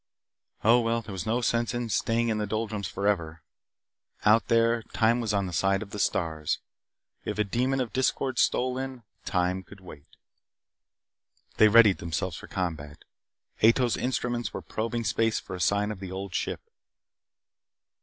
Oh, well, there was no sense in staying in the doldrums forever. Out there, time was on the side of the stars. If a demon of discord stole in, time could wait They readied themselves for combat. Ato's instruments were probing space for a sign of the Old Ship.